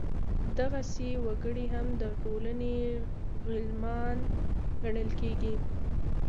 دغسې وګړي هم د ټولنې غلیمان ګڼل کېدل.